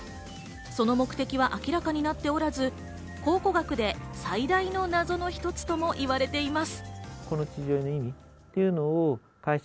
その目的は明らかになっておらず、考古学で最大の謎の一つともいわれています。